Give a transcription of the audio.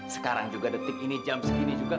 sekarang juga detik ini jam segini juga